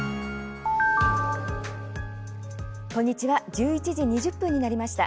１１時２０分になりました。